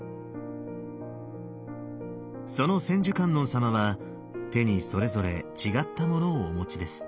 その千手観音様は手にそれぞれ違ったものをお持ちです。